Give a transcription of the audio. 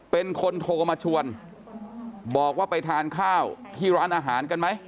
เป็นคนโทรมาชวนบอกว่าไปทานข้าวที่ร้านอาหารกันไหม